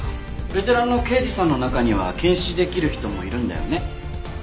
ベテランの刑事さんの中には検視できる人もいるんだよね。